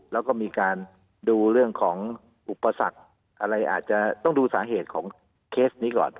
แล้วก็มีการดูเรื่องของอุปสรรคอะไรอาจจะต้องดูสาเหตุของเคสนี้ก่อน